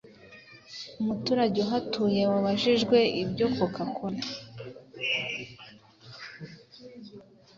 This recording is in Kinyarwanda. Umuturage uhatuye wabajijwe ibya Coca cola